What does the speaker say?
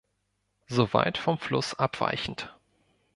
Soweit vom Fluss abweichend